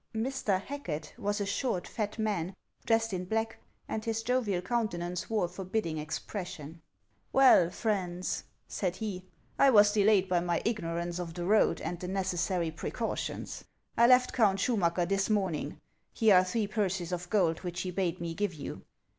" Mr. Hacket " was a short, fat man, dressed in black, and his jovial countenance wore a forbidding expression. " Well, friends," said he, " I was delayed by my igno HANS OF ICELAND. 205 rauce of the road aud the necessary precautions. I left Count Schumacker this morning ; here are three purses of gold which he bade me give you."